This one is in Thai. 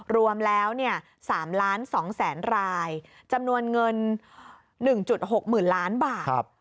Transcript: รวมแล้ว๓๒๐๐๐รายจำนวนเงิน๑๖๐๐๐ล้านบาท